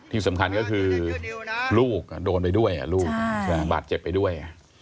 ที่สำคัญก็คือลูกโดนไปด้วยลูกบาดเจ็บไปด้วย